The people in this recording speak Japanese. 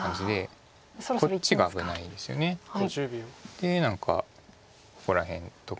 で何かここら辺とか。